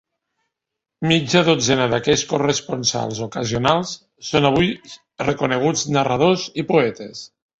Mitja dotzena d'aquells corresponsals ocasionals són avui reconeguts narradors i poetes.